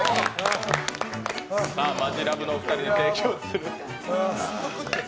マヂラブのお二人に提供します。